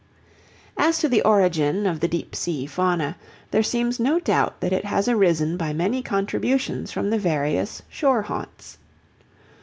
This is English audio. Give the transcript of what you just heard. As to the origin of the deep sea fauna, there seems no doubt that it has arisen by many contributions from the various shore haunts.